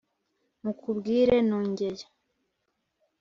mukubwire nongere